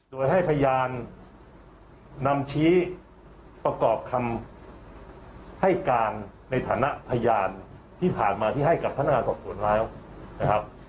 โดยให้พยานนำชี้ประกอบคำให้การในฐานะพยานที่ผ่านมาที่ให้กับพนักงานสอบสวนแล้วนะครับ